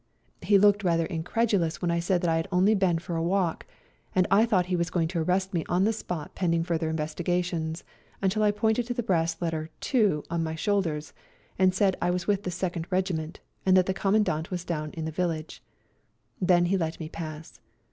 He looked rather incredulous when I said that I had only been for a walk, and I thought he was going to arrest me on the spot pending further investigations, until I pointed to the brass letter " 2 " on my shoulders, and said I was with the Second Regiment, and that the Commandant was down in the village. Then he let me pass.